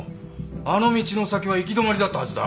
あの道の先は行き止まりだったはずだ。